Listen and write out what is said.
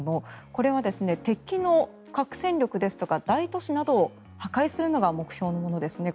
これは敵の核戦力ですとか大都市などを破壊するのが目標なんですね。